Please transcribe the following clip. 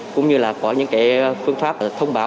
cũng như là có những phương pháp thông báo